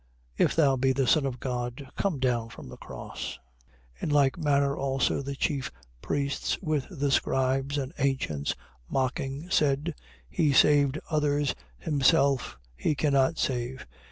If thou be the Son of God, come down from the cross. 27:41. In like manner also the chief priests, with the scribes and ancients, mocking said: 27:42. He saved others: himself he cannot save.